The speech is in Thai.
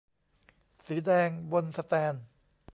สีแดง บนแสตนด์